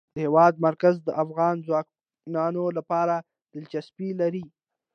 د هېواد مرکز د افغان ځوانانو لپاره دلچسپي لري.